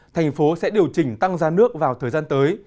thành phố sẽ điều chỉnh tăng giá nước vào thời gian tới